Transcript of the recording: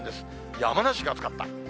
山梨が暑かった。